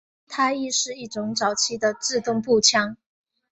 它亦是一种早期的自动步枪。